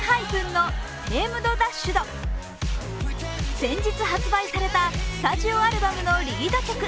先日発売されたスタジオアルバムのリード曲。